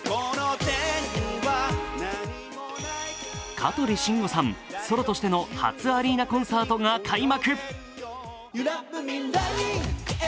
香取慎吾さん、ソロとしての初アリーナコンサートが開幕。